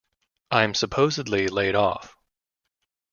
I'm supposedly laid off.